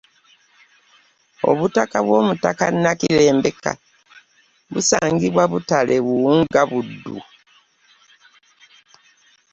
Obutaka bw’Omutaka Nakirembeka busangibwa Butale, Buwunga Buddu.